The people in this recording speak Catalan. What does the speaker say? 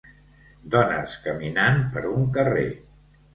Dones caminant per un carrer.